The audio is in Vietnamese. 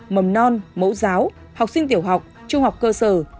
mầm non mẫu giáo học sinh tiểu học trung học cơ sở